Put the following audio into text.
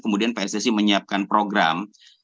kemudian pssi menyiapkan program